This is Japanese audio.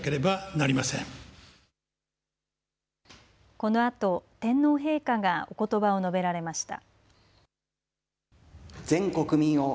このあと、天皇陛下がおことばを述べられました。